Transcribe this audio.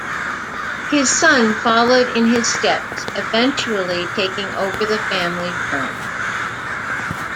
His son followed in his steps, eventually taking over the family firm.